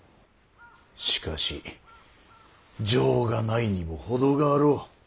しかし情がないにも程があろう。